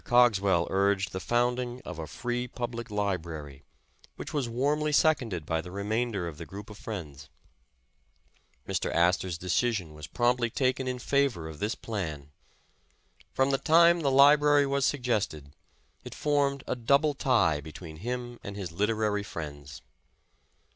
Cogswell urged the founding of a free public li brary, which was warmly seconded by the remainder of the group of friends. Mr. Astor 's decision was promptly taken in favor of this plan. From the time the library was suggested, it formed a double tie be tween him and his literary friends.